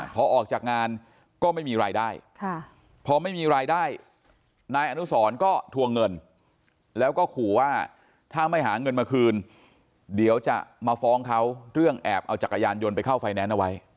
พอออกจากงานก็ไม่มีรายได้พอไม่มีรายได้นายอนุสรก็ทวงเงินแล้วก็ขู่ว่าถ้าไม่หาเงินมาคืนเดี๋ยวจะมาฟ้องเขาเรื่องแอบเอาจักรยานยนต์ไปเข้าไฟแนนซ์เอาไว้